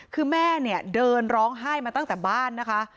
คือแม่เนี่ยเดินร้องไห้มาตั้งแต่บ้านนะคะ